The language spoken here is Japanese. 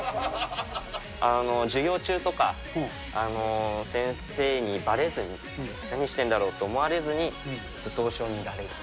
授業中とか、先生にばれずに、何してんだろう？と思われずに、ずっと推しを見られる。